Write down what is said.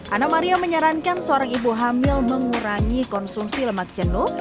anna maria menyarankan seorang ibu hamil mengurangi konsumsi lemak jenuh